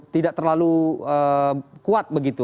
tidak terlalu kuat begitu